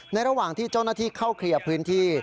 ระหว่างที่เจ้าหน้าที่เข้าเคลียร์พื้นที่